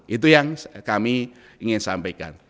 itu yang kami ingin sampaikan